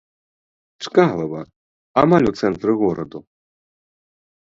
Чкалава, амаль у цэнтры гораду.